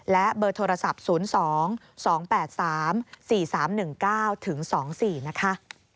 และเบอร์โทรศัพท์๐๒๒๘๓๔๓๑๙ถึง๒๔นะคะ